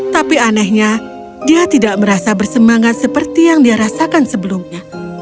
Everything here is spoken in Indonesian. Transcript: tapi anehnya dia tidak merasa bersemangat seperti yang dia rasakan sebelumnya